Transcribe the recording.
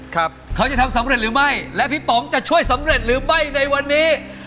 เขาจะทำสำเร็จหรือไม่และพี่ป๋องจะช่วยสำเร็จหรือไม่ในวันนี้